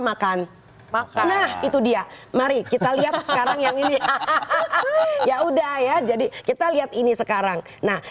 makan karena itu dia mari kita lihat sekarang yang ini ya udah ya jadi kita lihat ini sekarang nah